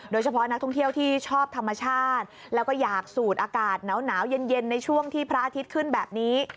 โดยเฉพาะนักท่องเที่ยวที่ชอบธรรมชาติแล้วก็อยากสูดอากาศหนาวเย็นในช่วงที่พระอาทิตย์ขึ้นแบบนี้